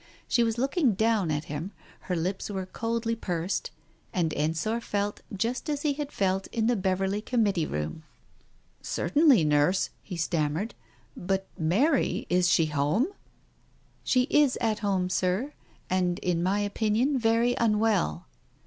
She was looking down at him, her lips were coldly pursed, and Ensor felt just as he had felt in the Beverley Committee room. "Certainly, Nurse," he stammered, " But Mary, is she at home ?" Digitized by Google 296 TALES OF THE UNEASY "She is at home, Sir, and in my opinion very unwell."